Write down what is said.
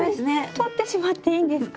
とってしまっていいんですか？